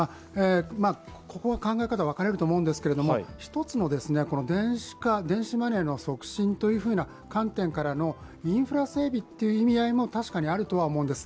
ここは考え方が分かれると思うんですけれども、一つの電子マネーの促進という観点からのインフラ整備という意味合いも確かにあるとは思うんです。